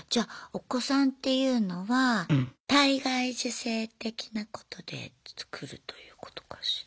お子さんっていうのは体外受精的なことでつくるということかしら。